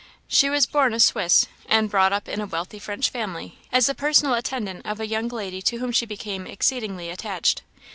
She was born a Swiss, and brought up in a wealthy French family, as the personal attendant of a young lady to whom she became exceedingly attached.